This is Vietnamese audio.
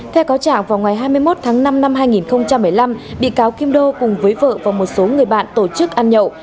theo cáo trạng vào ngày hai mươi một tháng năm năm hai nghìn một mươi năm bị cáo kim đô cùng với vợ và một số người bạn tổ chức ăn nhậu